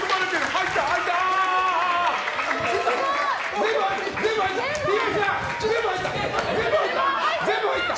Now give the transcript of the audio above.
入った、入った！